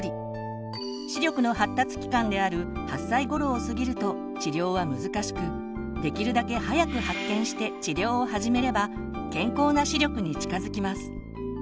視力の発達期間である８歳頃を過ぎると治療は難しくできるだけ早く発見して治療を始めれば健康な視力に近づきます。